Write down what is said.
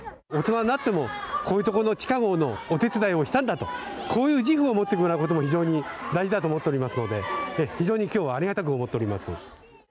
こういうところの地下ごうのお手伝いをしたんだとこういう自負を持ってもらうことも非常に大事だと思っていますので非常に、きょうはありがたく思っています。